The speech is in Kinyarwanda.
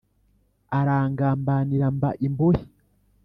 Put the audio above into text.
Arangambanira mba imbohe